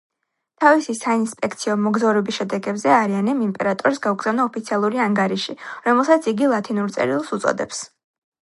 თავისი საინსპექციო მოგზაურობის შედეგებზე არიანემ იმპერატორის გაუგზავნა ოფიციალური ანგარიში, რომელსაც იგი „ლათინურ წერილს“ უწოდებს.